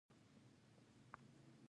مونږ په اسلام عزتمند یو